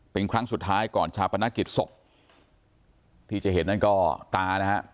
เป็นครั้งสุดท้ายก่อนชาปนกิจศพที่จะเห็นนั่นก็ตานะฮะ